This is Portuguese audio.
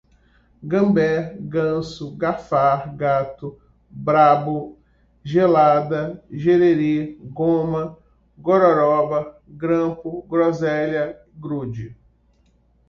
gambé, ganso, garfar, gato brabo, gelada, gererê, goma, gororóba, grampo, groselha, grude